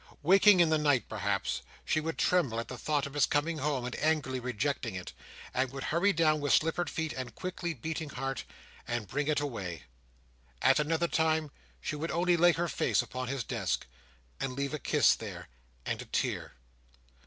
Waking in the night, perhaps, she would tremble at the thought of his coming home and angrily rejecting it, and would hurry down with slippered feet and quickly beating heart, and bring it away. At another time, she would only lay her face upon his desk, and leave a kiss there, and a tear.